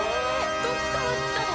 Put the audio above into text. どっから来たの！